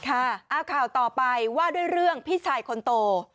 ข่าวต่อไปว่าด้วยเรื่องพี่ชายคนโต